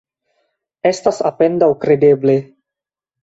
Estas apendaŭ kredeble.